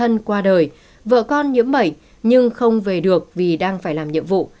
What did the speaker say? có nhân thân qua đời vợ con nhiễm bẩy nhưng không về được vì đang phải làm nhiệm vụ